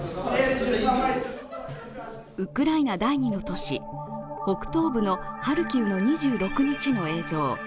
ウクライナ第二の都市北東部のハルキウの２６日の映像。